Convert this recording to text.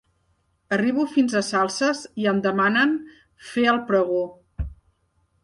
Arribo fins a Salses i em demanen fer el pregó.